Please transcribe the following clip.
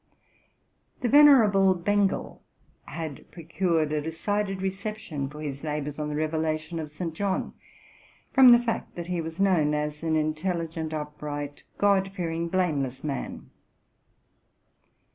The venerable Bengel had procured a decided reception for his labors on the Revelation of St. John, from the fact that he was known as an intelligent, upright, God fearing, blame less man.